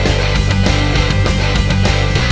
กลับมาที่นี่